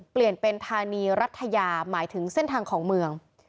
เปลี่ยนเป็นธานีรัฐยาหมายถึงเส้นทางของเมือง